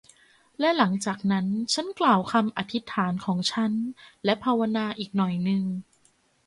และหลังจากนั้นฉันกล่าวคำอธิษฐานของฉัน และภาวนาอีกหน่อยนึง